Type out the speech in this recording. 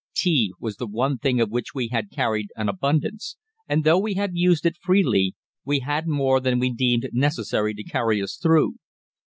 Tea was the one thing of which we had carried an abundance, and though we had used it freely, we had more than we deemed necessary to carry us through.